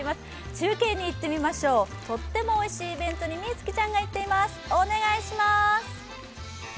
中継に行ってみましょう、とってもおいしいイベントに美月ちゃんが行っています、お願いします。